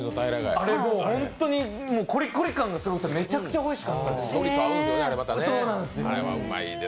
あれもうホントにコリコリ感がすごくてめちゃくちゃおいしかったです。